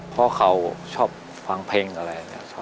เพราะเขาชอบฟังเพลงอะไรนะ